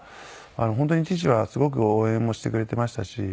本当に父はすごく応援もしてくれてましたし。